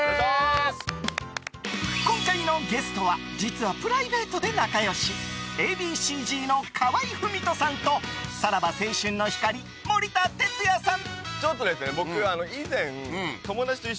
今回のゲストは実はプライベートで仲良しＡ．Ｂ．Ｃ‐Ｚの河合郁人さんとさらば青春の光・森田哲矢さん。